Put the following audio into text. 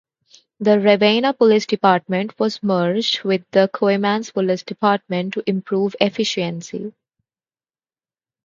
The Ravena Police Department was merged with the Coeymans Police Department to improve efficiency.